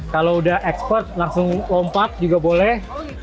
kalau sudah ekspert langsung lompat juga boleh